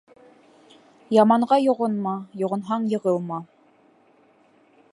Яманға йоғонма, йоғонһаң йығылма.